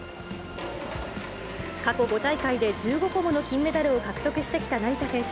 過去５大会で１５個もの金メダルを獲得してきた成田選手。